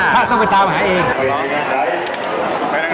ต้องไปตามหาเอง